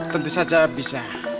tentu saja bisa